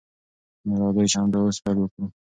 نو راځئ چې همدا اوس پیل وکړو.